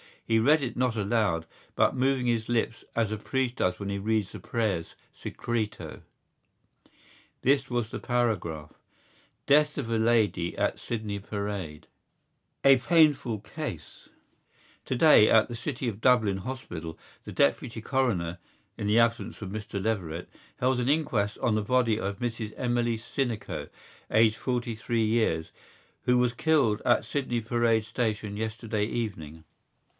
He read it not aloud, but moving his lips as a priest does when he reads the prayers Secreto. This was the paragraph: DEATH OF A LADY AT SYDNEY PARADE A PAINFUL CASE Today at the City of Dublin Hospital the Deputy Coroner (in the absence of Mr Leverett) held an inquest on the body of Mrs Emily Sinico, aged forty three years, who was killed at Sydney Parade Station yesterday evening.